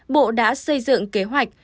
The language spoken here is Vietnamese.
bộ đã xây dựng kế hoạch